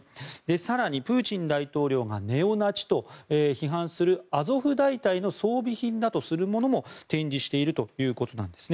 更にプーチン大統領がネオナチと批判するアゾフ大隊の装備品だとするものも展示しているということです。